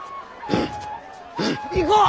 行こう！